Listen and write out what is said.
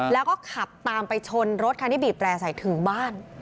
แล้วก็ขับตามไปชนรถคันที่บีบแปรใส่ถึงบ้าน